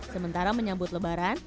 sementara menyambut lebaran